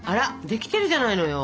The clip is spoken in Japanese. できてるじゃないのよ。